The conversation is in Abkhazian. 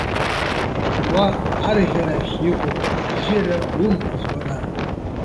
Уа арӷьарахь иҟоу, абзиара умаз уара!